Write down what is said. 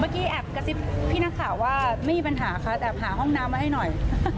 แอบกระซิบพี่นักข่าวว่าไม่มีปัญหาค่ะแอบหาห้องน้ำมาให้หน่อย